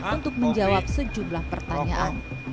untuk menjawab sejumlah pertanyaan